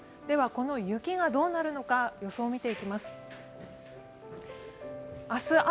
ではこの雪がどうなるのか予想を見ていきます。